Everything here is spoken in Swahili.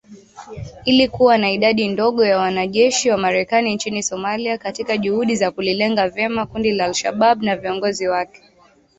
Ili kuwa na idadi ndogo ya wanajeshi wa Marekani nchini Somalia katika juhudi za kulilenga vyema kundi la al-Shabaab na viongozi wake